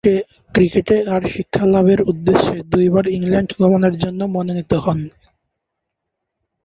ক্রিকেটে আর শিক্ষালাভের উদ্দেশ্যে দুইবার ইংল্যান্ড গমনের জন্যে মনোনীত হন।